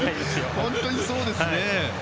本当にそうですね。